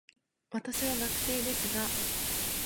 私は学生ですが、